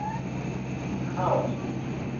พุ่มข้าวบิณฑ์